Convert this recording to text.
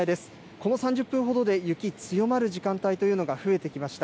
この３０分ほどで雪、強まる時間帯というのが増えてきました。